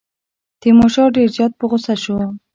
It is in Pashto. تیمورشاه ډېر زیات په غوسه شو.